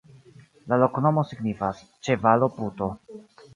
La loknomo signifas: ĉevalo-puto.